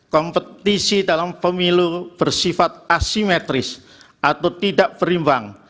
kompetisi dalam pemilu bersifat asimetris atau tidak berimbang